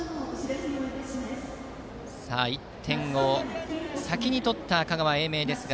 １点を先に取った香川・英明です。